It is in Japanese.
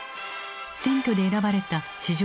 選挙で選ばれた史上